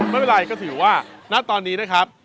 ไม่เป็นไรก็ถือว่าณตอนนี้นะครับ